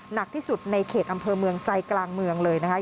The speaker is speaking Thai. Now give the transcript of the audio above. หนักที่สุดในเขตอำเภอเมืองใจกลางเมืองเลยนะคะ